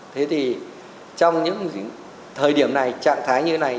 thế thì trong những thời điểm này trạng thái như này